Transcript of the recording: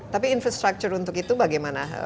tapi infrastructure untuk itu bagaimana